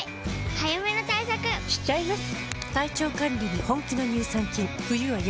早めの対策しちゃいます。